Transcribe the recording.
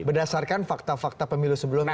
berdasarkan fakta fakta pemilu sebelumnya